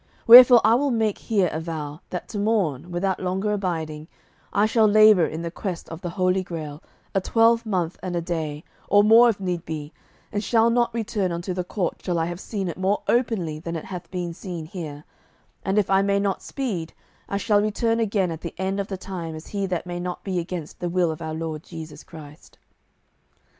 Wherefore I will make here avow, that to morn, without longer abiding, I shall labour in the quest of the Holy Grail a twelvemonth and a day, or more if need be, and shall not return unto the court till I have seen it more openly than it hath been seen here; and if I may not speed, I shall return again at the end of the time as he that may not be against the will of our Lord Jesu Christ."